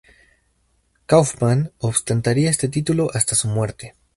Kaufmann ostentaría este título hasta su muerte.